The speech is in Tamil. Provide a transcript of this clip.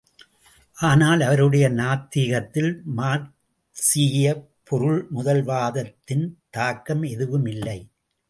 ஆனால் அவருடைய நாத்திகத்தில் மார்க்சீயப் பொருள்முதல் வாதத்தின் தாக்கம் எதுவும் இல்லை.